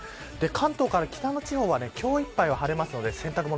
関東から北の地方は今日いっぱいは晴れますので洗濯物